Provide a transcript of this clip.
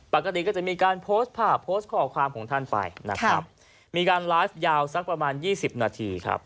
ปกติก็จะมีการโพสต์ภาพโพสต์ข้อความของท่านไปนะครับมีการไลฟ์ยาวสักประมาณยี่สิบนาทีครับ